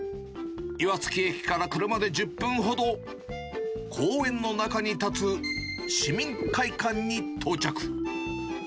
岩槻駅から車で１０分ほど、公園の中に建つ市民会館に到着。